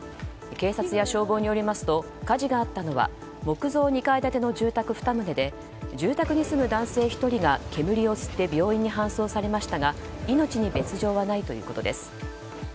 警察や消防によりますと火事があったのは木造２階建ての住宅２棟で住宅に住む男性１人が煙を吸って病院に搬送されましたが命に別条はないということです。